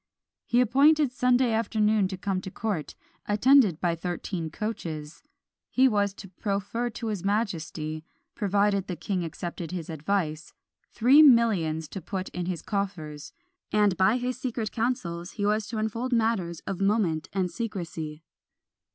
He appointed Sunday afternoon to come to court, attended by thirteen coaches. He was to proffer to his majesty, provided the king accepted his advice, three millions to put into his coffers; and by his secret councils he was to unfold matters of moment and secrecy.